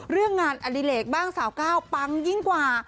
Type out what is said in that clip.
เรื่องงานอดิเลกบ้างสาวก้าวปังยิ่งกว่า